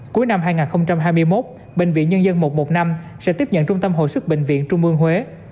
cuối năm hai nghìn hai mươi một bệnh viện nhân dân một trăm một mươi năm sẽ tiếp nhận trung tâm hội sức bệnh viện trung ương huế